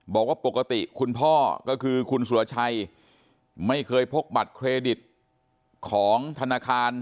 บอกว่าปกติคุณพ่อก็คือคุณสุรชัยไม่เคยพกบัตรเครดิตของธนาคาร